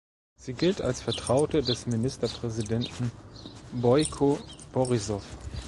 Sie gilt als Vertraute des Ministerpräsidenten Bojko Borissow.